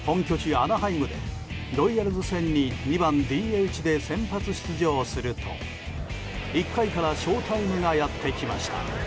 アナハイムでロイヤルズ戦に２番ＤＨで先発出場すると１回からショータイムがやってきました。